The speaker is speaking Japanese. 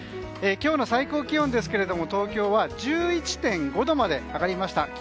今日の最高気温ですが東京は１１．５度まで上がりました。